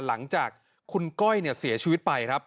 หลังจากคุณก้อยเสียชีวิตไปครับ